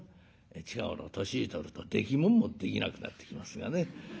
近頃年取るとできもんもできなくなってきますがね。